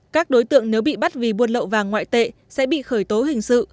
các đối tượng nếu bị bắt vì buôn lậu vàng ngoại tệ sẽ bị khởi tố hình sự